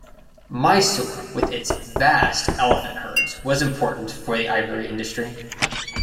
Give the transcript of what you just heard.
Mysore with its vast elephant herds was important for the ivory industry.